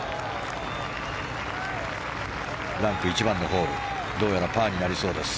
ランク１番のホールですがどうやらパーになりそうです。